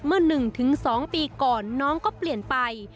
เมื่อ๑๒ปีก่อนน้องก็เปลี่ยนไป